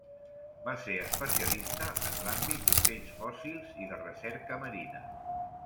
Va ser especialista en l'àmbit d'ocells fòssils i de recerca marina.